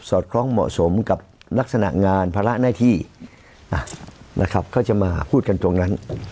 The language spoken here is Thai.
อดคล้องเหมาะสมกับลักษณะงานภาระหน้าที่นะครับก็จะมาพูดกันตรงนั้น